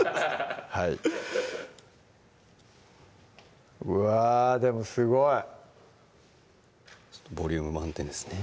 はいうわでもすごいボリューム満点ですね